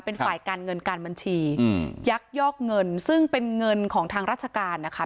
เป็นฝ่ายการเงินการบัญชียักยอกเงินซึ่งเป็นเงินของทางราชการนะคะ